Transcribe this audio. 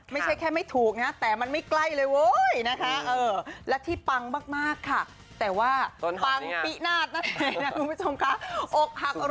ไม่ใช่แค่ไม่ถูกนะฮะแต่มันไม่ใกล้เลยโว๊ยนะคะเออแล้วที่ปังมากค่ะแต่ว่าปังปีนาศนะเห็นไหมครับคุณผู้ชมคะ